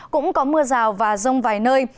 cũng có mưa rào và rông vài nơi